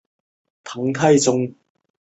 你晶莹的目光不再流泪